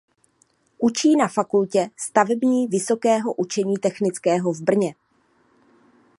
Učí na Fakultě stavební Vysokého učení technického v Brně.